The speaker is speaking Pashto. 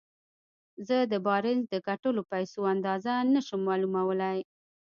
زه د بارنس د ګټلو پيسو اندازه نه شم معلومولای.